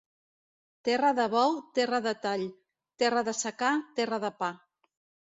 Terra de bou, terra de tall; terra de secà, terra de pa.